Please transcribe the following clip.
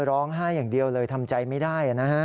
ร้องไห้อย่างเดียวเลยทำใจไม่ได้นะฮะ